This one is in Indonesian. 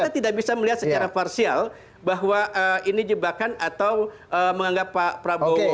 kita tidak bisa melihat secara parsial bahwa ini jebakan atau menganggap pak prabowo